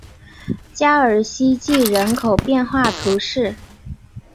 加尔希济人口变化图示